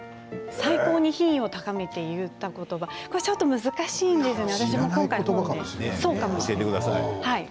最高に品位を高めていった言葉これちょっと難しいんですよね。